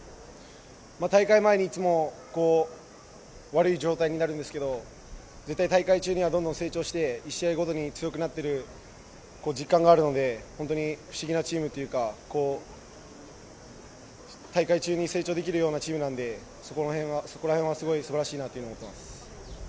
大会前にいつも悪い状態になるんですけど絶対、大会中にはどんどん成長して一試合ごとに強くなってる実感があるので本当に不思議なチームというか大会中に成長できるようなチームなんでそこら辺は、すばらしいなと思っています。